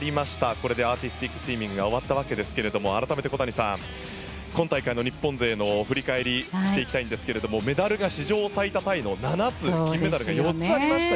これでアーティスティックスイミングが終わったわけですが改めて、小谷さん今大会の日本勢の振り返りをしていきたいんですがメダルが史上最多タイの７つ金メダルが４つありました。